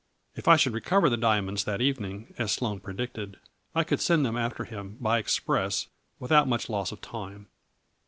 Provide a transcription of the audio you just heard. If I should recover the dia monds that evening, as Sloane predicted, I could send them after him, by express, without 94 A FLURRY IN DIAMONDS. much loss of time.